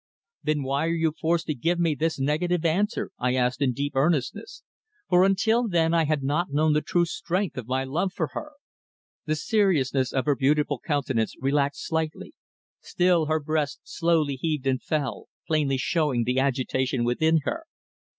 "Then why are you forced to give me this negative answer?" I asked in deep earnestness, for until then I had not known the true strength of my love for her. The seriousness of her beautiful countenance relaxed slightly, still her breast slowly heaved and fell, plainly showing the agitation within her.